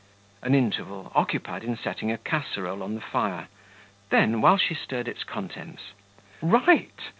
(An interval occupied in settling a casserole on the fire; then, while she stirred its contents:) "Right!